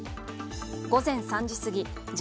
午前３時すぎ